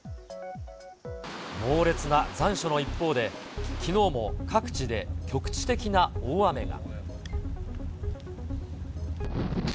猛烈な残暑の一方で、きのうも各地で局地的な大雨が。